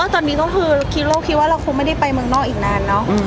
ตอนนี้คิดว่าเราคงไม่ได้ไปเมืองนอกอีกนานเนาะ